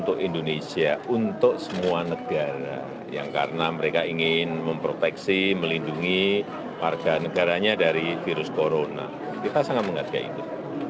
untuk indonesia untuk semua negara yang karena mereka ingin memproteksi melindungi warga negaranya dari virus corona kita sangat menghargai itu